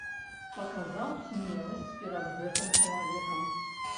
Паказаў смеласць перад гэтым чалавекам.